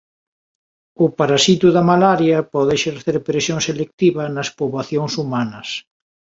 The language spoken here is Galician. O parasito da malaria pode exercer presión selectiva nas poboacións humanas.